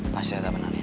masih ada benar nih